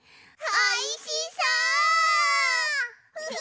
おいしそう！